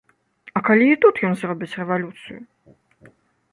А калі і тут ён зробіць рэвалюцыю?